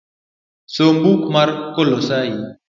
Som buk mar kolosai